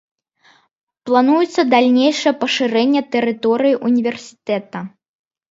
Плануецца далейшае пашырэнне тэрыторыі ўніверсітэта.